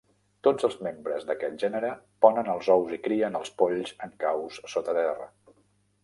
Tots els membres d'aquest gènere ponen els ous i crien els polls en caus sota terra.